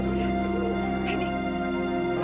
ini dunia tes nyelubar